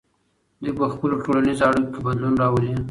دوی په خپلو ټولنیزو اړیکو کې بدلون راولي.